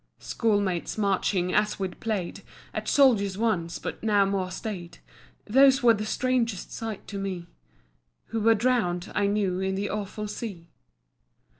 Schoolmates, marching as when we play'd At soldiers once but now more staid; Those were the strangest sight to me Who were drown'd, I knew, in the awful sea.